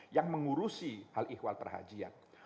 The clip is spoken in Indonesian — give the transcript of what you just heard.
yang mengurusi hal ikhwal perhajian